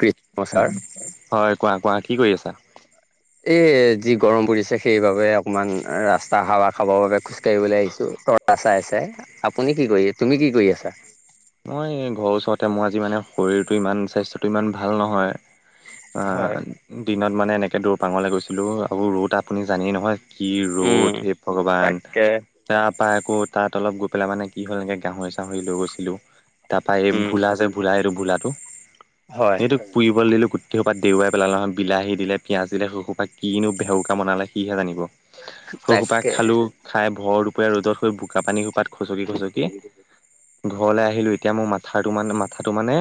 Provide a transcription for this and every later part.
নমস্কাৰ হয় কোৱা কোৱা কি কৰি আছা এ যি গৰম পৰিছে সেইবাবে অকমান ৰাস্তা হাৱা খাবৰ বাবে খোজকাঢ়িবলে আহিছো। আ চাই আ চাই আপুনি কি কৰি তুমি কি কৰি আছা। মই ঘৰৰ ওচৰতে মই আজি মানে শৰীৰটো ইমান স্বাস্থ্যটো ইমান ভাল হয় নহয়- দিনত মানে এনেকৈ দৌৰপাঙলৈ গৈছিলোঁ আৰু ৰ'দ আপুনি জানেই নহয়। কি উম ৰ'দ সেই ভগৱান তাকে তাৰ পৰা আকৌ তাত- তলপ গৈ পেলাই মান কি'ল এনেকৈ গাহৰি চাহৰি লৈ গৈছিলোঁ। তাৰপৰা এই উম ভোলা যে ভোলা এইটো ভোলাটো হয় এইটো পুৰিবলৈ দিলো গোটেই সোপা দেউৱাই পেলালে নহয় বিলাহী দিলে পিয়াঁজ দিলে সেইসোপ কিনো ভেহোকা বনালে সিহে জানিব। সৰু সোপাক তাকে খালো খাই ভৰ প ৰ'দত হৈ বোকা পানী খোপাত খচকি খচি ঘৰলৈ আহি আহিলো এতিয়া মই মাথাটো মানে মাথাটো মানে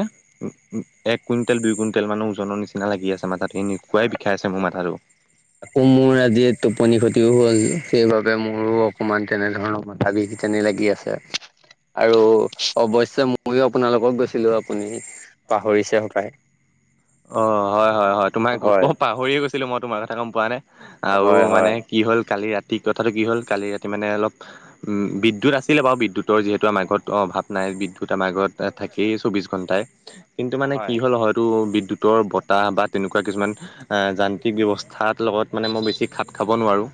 এক কুইণ্টেল দুই কুইণ্টেল মানৰ ওজনৰ নিচিনা লাগি আ ছে মাথাটো এনেকুৱাই বিষায় আছে মোৰ মাথাটো আকৌ মোৰ আজি টোপনি ক্ষতিও হ'ল। সেইবাবে মোৰো অকমান তেনেধৰণৰ মাথা বিষ যেনেই লাগি আছে। আৰু অৱশ্যে শ্য ময়ো আপোনালোকক গৈছিলো আপুনি পাহৰিছে হপায় অ হয় হয় হয় তোমাক হয় পাহৰিয়ে গৈছিলো মই তোমাৰ কথা গম পোৱা নে আৰু হয় মানে হয় কি হ'ল কালি ৰাতি কথাটো কি হ'ল কালি ৰাতি মানে অলপ উম বিদ্যুৎ আছিলে বাও বিদ্যুৎৰ যিহেতু আমাৰ ঘৰত অভাৱ নাই। বিদ্যুৎ আমাৰ ঘৰত থাকেই চৌবিশ ঘণ্টাই কিন্তু মানে কি হয় হল হয়তো উত্তৰ বতাহ বা তেনেকুৱা কিছুমান যান্ত্ৰিক ব্যৱস্থাৰ লগত মানে মই বেছি খাত খাব নোৱাৰোঁ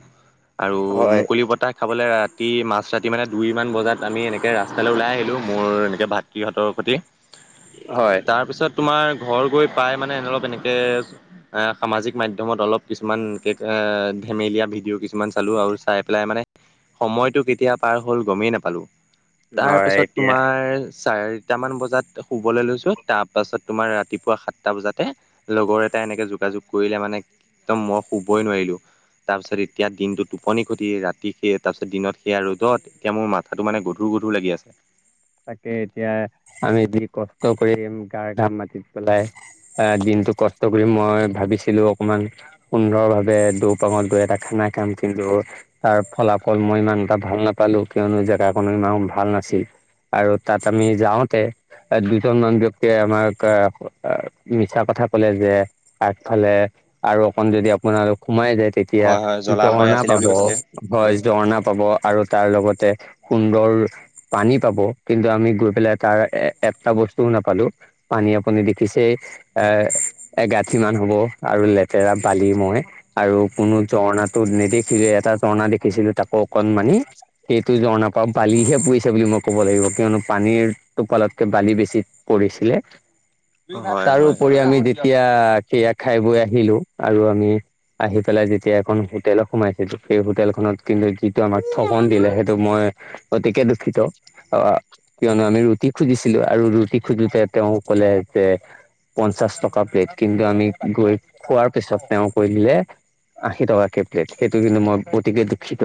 আৰু হয় মুকলি বতাহ খাবলৈ ৰা ৰাতি মাছ ৰাতি মানে দুই মান বজাত আমি এনেকে ৰাস্তালৈ ওলাই আহিলো মোৰ এনেকে ভাতৃহঁতৰ সৈতে হয় তাৰপিছত তোমাৰ ঘৰ গৈ প্ৰায় মানে অলপ এনেকে সামাজিক মাধ্যমত অলপ কিছুমান এনেকে ধেমেলীয়া ভিডিঅ' কিছুমান চালো আৰু চাই পেলাই মানে সময়তটো কেতিয়া পাৰ হ'ল গমেই নাপালো তাৰ হয় পাছত এতিয়া তোমাৰ চাৰিটামান বজাত শুবলৈ লৈছোঁ তাৰপাছত তোমাৰ ৰাতিপুৱা সাত টা বজাতে লগৰ এটা এনেকে যোগাযোগ কৰিলে মানে একদম মই শুবই নোৱাৰিলো তাৰ পিছত এতিয়া দিনটো টোপনি খটি ৰাতি স তাৰপিত দিনত সেয়া ৰ'দত এতিয়া মোৰ মাথাটো মানে গধো গধু লাগি আছে। তাকে এতিয়া আমি যি কষ্ট কৰি গাৰ ঘাম মাটিত পেলাই আহ দিম কিন্তু কষ্ট কৰি মই ভাবিছিলো অকণমান সুন্দৰ ভাৱে দৌপাঙত গৈ এটা খানা কাম খিন তাৰ ফলাফল মই ইমান এটা ভাল নাপালো, কিয়নো জেগাখনো ইমান ভাল নাছিল। আৰু তাত আমি যাওঁতে দুজন মান ব্যক্তিয়ে আমাক মিছা কথা কলে যে আগফালে আৰু অকন যদি আপোনাৰ সোমাই যায় তেতিয়া হয় হয় জলাশয় জঝৰ্ণা আছিলে পাব বুলি কৈছিলে। হয় জঝৰ্ণা পাব আৰু তাৰ লগতে সুন্দৰ পানী পাব। কিন্তু আমি গৈ পেলাই তাৰ এ এটা বস্তুও নাপালো পানী আপুনি দেখিছে এ এগাঁঠি মান হ'ব আৰু লেতেৰা বালি মই আৰু কোনো ঝৰ্ণাটো নেদেখিলো এটা ঝৰ্না দেখিছিলো তাকো অকণ মানি সেইটো ঝৰ্ণাৰ পৰা বালিহে পৰিছে বুলি মই ক'ব লাগিব। কিয়নো পানীৰ টোপালতকে বালি বেছি পৰিছিলে। হয় হয় তাৰোপৰি আমি যেতিয়া সেইয়া খাই বৈ আহিলো আৰু আমি আহি পেলাই যেতিয়া এখন হোটেল সোমাইছিলো সেই হোটেলখনত কিন্তু যিটো আমাক থগন দিলে সেইটো মই অতিকে দুখিত অ কিয়নো আমি ৰুটি খুজিছিলো আৰু ৰুটি খুজোতে তেওঁ কলে যে পঞ্চাশ টকা প্লেট কিন্তু আমি গৈ খোৱাৰ পিছত তেওঁ কৈ দিলে। আশী টকা কে প্লেট সেইটো কিন্তু মই অতিকে দুখিত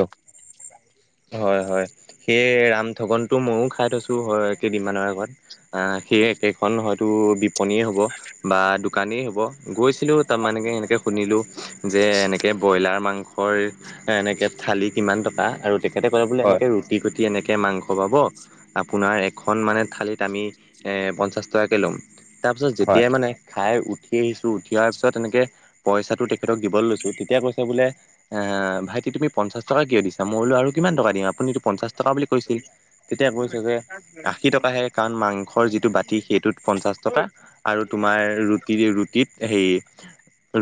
হয় হয় সেই ৰামঠগন টো মইও খাই থৈছো তো হয় কেইদিনমান আগত। সেইকেখনত টো বিপনীয়ে হ'ব বা দোকানেই হ'ব গৈছিলো। তাৰমানে সেনেকে শুনিলো। যে এনেকে ব্ৰইলাৰ মাংসৰ এনেকে থালি কিমান টকা আৰু তে ক‌ই পেলাই হয় এনেক ৰুটি কৰি এনেকৈ মাংস পাব আপোনাৰ এখন মানে থালিত আমি পঞ্চাছ টকাকৈ ল'ম। তাৰ পিছত হয় যেতিয়াই মানে খাই উঠি আহিছো পথিয়াৰ পিছত এনেকে পইচা দিব লৈছো তেতিয়া কৈ বোলে ভাইটি তুমি পঞ্চাশ টকা কিয় দিছা? মই বোলো কিমান টকা দিম আপুনি টো পঞ্চাশ টকা বুলি কৈছিল। তেতিয়া কৈছে যে আশী টকাহে, কাৰণ মাংসৰ যিটো বাতি সেইটোত পঞ্চাশ টকা আৰু তু তোমাৰ ৰুটি ৰুটিত হে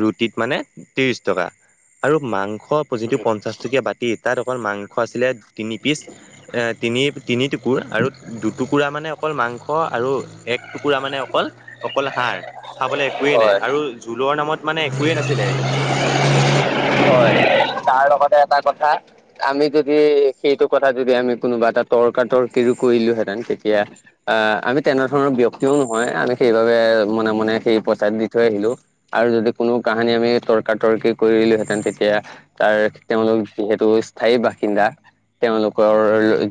ৰুটিত মানে ত্ৰিশ টকা। আৰু মাংস যিটো পঞ্চাশ টকীয়া বাতিত তাত অকল মাংস আছিলে তিনি পিচ তিনি তিনি টুকুৰ আৰু দুটুকুৰা মানে অকল মাংস আৰু এক টুকুৰা মানে অকল অকল হাড় খাবলৈ একোৱেই নাই। হয় আৰু জোলৰ নামত মানে একোৱে নাছিলে। হয়। তাৰ লগতে এটা কথা আমি যদি সেইটো কথা যদি আমি কোনোবা এটা তৰ্কা তৰ্কি কৰি দিলোহেঁতেন তেতিয়া আহ আমি তেনে ধৰণৰ ব্যক্তিও নহয় আমি সেইবাবে মনে মনে সেই প পইছাটো দি থৈ আহিলো আৰু যদি কোনো কাহানী আমি তৰ্কা তৰ্কি কৰিলোহেঁতেন তেতিয়া তাৰ তেওঁলোক যিহেতু স্থায়ী বাসিন্দা তেওঁলোকৰ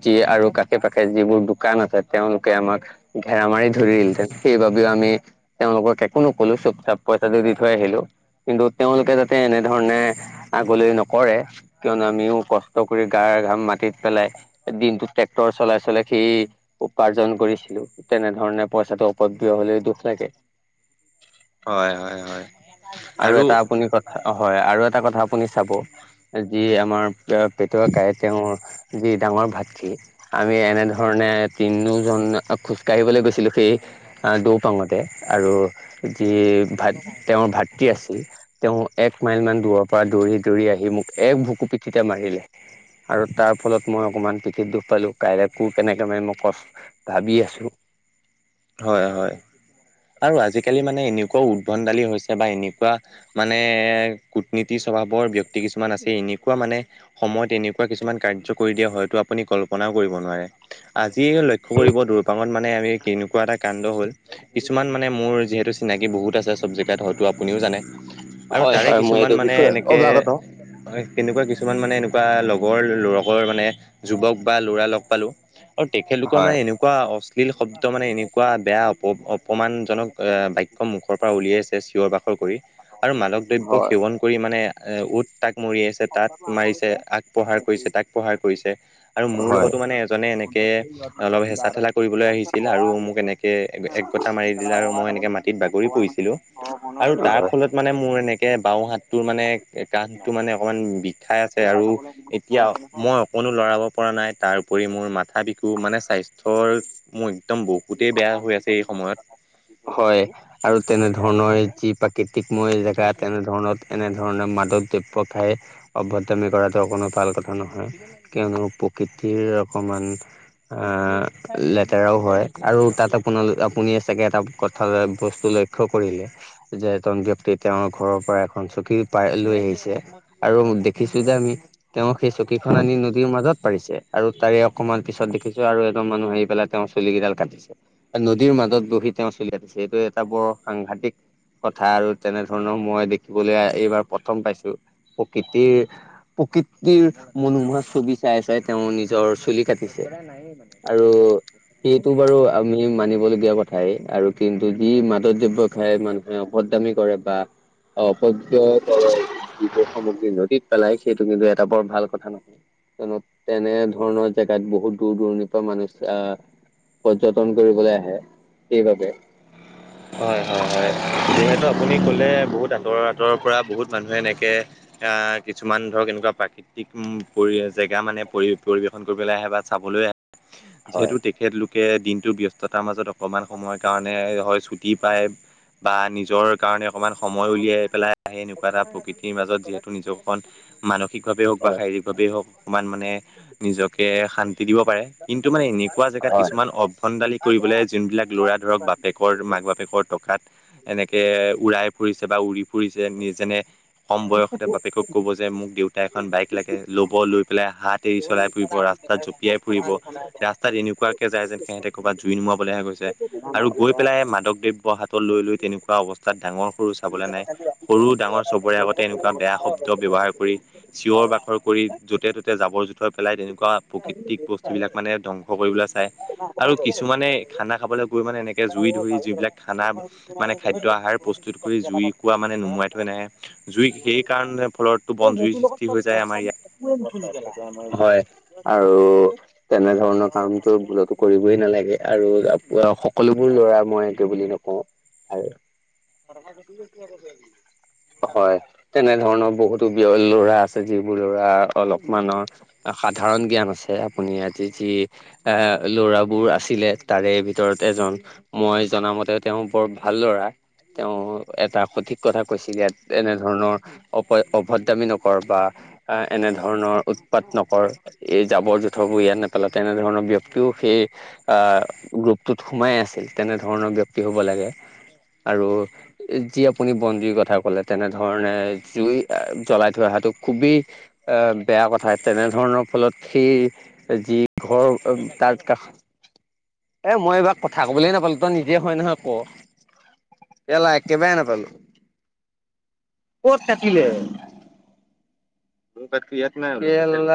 যি আৰু কাশে পাশে যিবোৰ দোকান আছে, তেওঁলোকে আমাক ঘেৰা মাৰি ধৰিল হেতেন, সেইবাবেও আমি তেওঁলোকক একো নকলো চুপ চাপ পইচাটো দি থৈ আহিলো। কিন্তু তেওঁলোকে যাতে এনেধৰণে বলে নকৰে কিয়নো আমিও কষ্ট কৰি গাৰ ঘাম মাটিত পেলাই দিনত টেক্টৰ চলাই চলাই চলাই সি উপাৰ্জন কৰিছিলো। তেনেধৰণে পইচাটো অপব্যয় হলে দুখ লাগে। হয় হয় হয় আৰু এটা আপুনি কথা হয় আৰু এটা কথা আপুনি চাব যি আমাৰ পেটুৱা কাইয়ে তেওঁৰ যি ডাঙৰ ভাত খি আমি এনেধৰণে তিনিওজন খোজকাঢ়িবলৈ গৈছিলোঁ, সেই দৌপাঙতে আৰু যি ভাত তেওঁৰ ভাতৃ আছিল তেওঁ এক মাইল মান দূৰত পৰা দৌৰি দৌৰি আহি মোক এক ভুকু পিঠিতে মাৰিলে। আৰু তাৰ ফলত মই অকমান পিঠিত দুখ পালো। কাইলৈ কোৰ কেনেকে মানে মই কছ ভাবি আছো। [inaudible] হয় হয় আৰু আজিকালি মানে এনেকুৱাও উদভনদালি হৈছে বা এনেকুৱা মানে [unintelligible] কূটনীতি স্বভাৱৰ ব্যক্তি কিছুমান আছে। এনেকুৱা মানে সময়ত এনেকুৱা কিছুমান কাৰ্য কৰি দিয়া হয়তো [unintelligible] আপুনি কল্পনাও কৰিব নোৱাৰে। আজি লক্ষ্য কৰিব দৰপাঙত মানে আমি কেনেকুৱা এটা কাণ্ড হ'ল। কিছুমান মানে মোৰ যিহেতু চিনাকি বহুত আছে। জেগাত হয়তো আপুনিও জানে আৰু হয় তাৰে হয় মই এইটো কিছুমান মানে বিষয়ে এনেকে অৱগত হয় কেনেকোৱা কিছুমান মানে এনেকুৱা লগৰৰ মানে যুৱক বা ল'ৰা লগ পালো- আৰু তেখেতলোকৰ মানে হয় এনেকুৱা অশ্লীল শব্দ মানে এনেকুৱা বেয়া অপ অপমানজনক বাক্য মুখৰ পৰা উলিয়াইছে চিঞৰ বাখৰ কৰি ‌আৰু মাদক হয় দ্ৰব্য সেৱন কৰি মানে এ উট তাক মৰি আছে ত তাত মাৰিছে আক প্ৰহাৰ কৰিছে তাক প্ৰহাৰ কৰিছে আৰু মোৰ লগতো হয় মানে এজনে এনেকৈ অলপ হেঁচা ঠেলা কৰিবলৈ আহিছিল আৰু মোক এনেকে এক গটা মাৰি দিলে আৰু মই এনেকে মাটিত বাগৰি পৰি দিলো। আৰু তাৰ হয় ফলত মানে মোৰ এনেকে বাওঁ হাতটোৰ মানে কাণ্ডটো মানে অকমান বিষাই আছে আৰু এতিয়া মই অকণো লৰাব পৰা নাই তাৰপৰি মোৰ মাথা বি মানে স্বাস্থ্যৰ মোৰ একদম বহুতেই বেয়া হৈ আছে এই সময়ত। হয় আৰু তেনে ধৰণৰ যি প্ৰাকৃতিকময় জেগা তেনেধৰণত এনেধৰণৰ মাদক দ্ৰব্য খাই বদনামি কৰাটো অকণো ভাল কথা নহয়। কিয়নো প্ৰকৃতিৰ অকণমান অ আ লেতেৰাও হয় আৰু তাত আপোনালোক আপুনি চাগে এটা কথা বস্তু লক্ষ্য কৰিলে যে এজন ব্যক্তি তেওঁৰ ঘৰৰ পৰা এখন চকী পাই লৈ আহিছে, আৰু দেখিছো যে তেওঁ সেই চকীখন আনি নদীৰ মাজত পাৰিছে আৰু তাৰে অকমান পিছত কিো আৰু এজন মানুহ আহি পিছত আন এজন মানুহ আহি পেলাই তেওঁৰ চুলি কেইডাল কাটিছে। নদীৰ মাজত বহি তেওঁ চুলি কাটিছে এইটো এটা বৰ বহুত সাংঘাতিক কথা আৰু তেনেধৰণৰ মই দেখিবলৈ এইবাৰ প্ৰথম পাইছো। পকিটিৰ [unintelligible] প্ৰকৃতিৰ মনোমোহা ছবি চাই চাই তেওঁ নিজৰ চুলি কাটিছে আৰু সেইটো বাৰু আমি মানিবলগীয়া কথাই আৰু কিন্তু যি মাদক দ্ৰব্য খাই মানুহে বদনামি কৰে বা অপদ্ৰব্য যিবোৰ সামগ্ৰী নদীত পেলাই। সেইটো কিন্তু এটা বৰ ভাল কথা নহয়। তেনে ধৰণৰ জেগাত বহুত দূৰ-দূৰণিৰ পৰা মানুহ আহ পৰ্যটন কৰিবলৈ আহে। সেই বাবে হয় হয় হয় যিহেতু আপুনি কলে বহুত আতৰ আতৰ পৰা বহুত মানুহে এনেকে। আহ কিছুমান ধৰক এনেকুৱা প্ৰাকৃতিক পৰি জেগা মানে পৰি পৰিবেশন কৰিবলৈ আহে বা চাবলৈ আহে। যিহেতু হয় তেখেতলোকে দিনটোৰ ব্যস্ততাৰ মাজত অকণমান সময়ৰ কাৰণে হৈ চুটি পাই পায় বা নিজৰ কাৰণে [unintelligible] অকণমান সময় উলিয়াই পেলাই আহে এনেকুৱা এটা প্ৰকৃতিৰ মাজত যিহেতু নিজক অকমান মানসিকভাৱে হওক বা হয় শাৰীৰিক ভাবে হওক অকণ হওক মানে নিজকে শান্তি দিব পাৰে। কিন্তু মানে এনেকুৱা জেগাত হয় কিছুমান অভ ন্দালি কৰিবলৈ জোনবিলাক ল'ৰা ধৰক বাপেকৰ মাক বাপেকৰ [unintelligible] টকাত এনেকে উৰাই ফুৰিছে বা উৰি ফুৰিছে ফুৰিছে নি যেনে কম বয়সতে বাপেকক ক'ব যে মোক দেউতা এখন বাইক লাগে ল'ব লৈ পেলাই লৈ পেলাই হাত দেৰি চলাই ফুব ৰাস্তাত জঁপিয়াই ফুৰিব ৰাস্তাত এনেকুৱাকে যায় যেন সিহঁতে কৰবাত জুই নোমাবলৈ আহ হৈ গৈছে। আৰু গৈ পেলাই মাদক দ মাদক দ্ৰব্য হাতত লৈ লৈ তেনেকুৱা অৱস্থাত ডাঙৰ-সৰু চাবলৈ নাই। সৰু-ডাঙৰ চবৰে আগতে এনেকুৱা বেয়া শব্দ ব্যৱহাৰ কৰি চিঞৰ-বাখৰ কৰি য'তে ত'তে জাবৰ-জোথৰ পেলাই তেনেকুৱা প্ৰকৃতিক বস্তুবিলাক বিলাক মানে ধ্বংস কৰিবলৈ চায়। আৰু কিছুমানে খানা খাবলৈ গৈ মানে এনেকে জুই ধৰি যিবিলাক খানা মানে খাদ্য আহাৰ প্ৰস্তুত কৰি জুই কোৱা মানে নুমুৱাই থৈ নাহে। জুই সেই কাৰণে ইয়াৰ ফলত এই সেইটোৰ লগত, তই কচম একোৱেই নহয়। হয়, আৰু তেনেধৰণৰ কামতো ভুলতো কৰিবই নালাগে। আৰু সকলোবোৰ ল'ৰাক মই এইটো বুলি নকওঁ। হয়। তেনেধৰণৰ বহুতো বিয়ৰ ল'ৰা আছে, যিবোৰ ল'ৰা অলপ মানৰ সাধাৰণ জ্ঞান আছে আপুনি আজি যি এ ল'ৰাবোৰ আছিলে তাৰে ভিতৰত এজন মই জনামতে তেওঁ বৰ ভাল ল'ৰা। তেওঁ এটা সঠিক কথা কৈছিলে ইয়াত এনেধৰণৰ অপ অভদ্ৰামি নকৰ বা এনেধৰণৰ উৎপাত নকৰ এই জাবৰ-জোথৰ বোৰ ইয়াত নেপেলা তেনেধৰণৰ ব্যক্তিও সেই আ গ্ৰুপটোত সোমাই। আছিল তেনে ধৰণৰ ব্যক্তি হব লাগে। আৰু যি আপুনি বন্দিৰ কথা কলে তেনেধৰণে জুই জ্বলাই থৈ অহাটো খুবেই বেয়া কথা তেনেধৰণৰ ফলত সেই যি ঘৰ তাৰ কাষতে এ মই এইবাৰ কথা কবলৈ নাপালো তই নিজে হয় নহয় ক একবাই নাপালো [unintelligible] কত থাকিলে? কে [unintelligible]